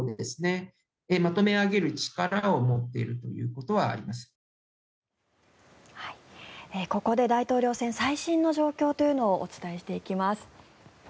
ここで大統領選最新の状況をお伝えしていきます。